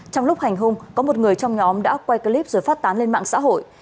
trong lúc hành hung có một người trong nhóm đã quay clip rồi phát tán lên mạng xã hội